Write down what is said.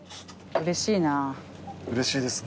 うれしいですね。